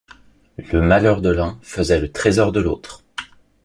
Le malheur de l’un faisait le trésor de l’autre.